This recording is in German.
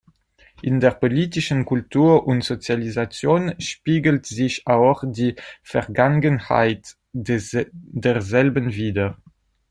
In der politischen Kultur und Sozialisation spiegelt sich auch die Vergangenheit derselben wider.